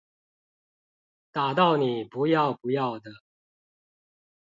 打到你不要不要的